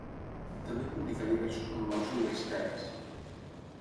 També publicà diversos manuals universitaris.